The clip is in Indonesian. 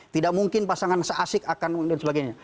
tidak mungkin pasangan seasik akan dan sebagainya